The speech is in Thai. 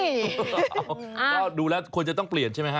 ก็ดูแล้วควรจะต้องเปลี่ยนใช่ไหมฮะ